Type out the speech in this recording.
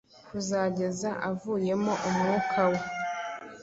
kuzageza avuyemo umwuka we